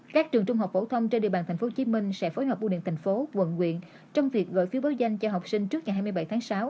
các trường trung học phổ thông trên địa bàn tp hcm sẽ phối hợp buôn điện tp hcm quận quyện trong việc gửi phiếu báo danh cho học sinh trước ngày hai mươi bảy tháng sáu